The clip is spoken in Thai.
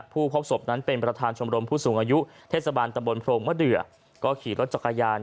พบศพนั้นเป็นประธานชมรมผู้สูงอายุเทศบาลตำบลโพรงมะเดือก็ขี่รถจักรยาน